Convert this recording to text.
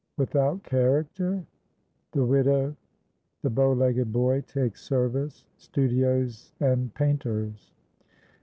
"WITHOUT CHARACTER?"—THE WIDOW.—THE BOW LEGGED BOY TAKES SERVICE.—STUDIOS AND PAINTERS.